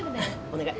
お願い。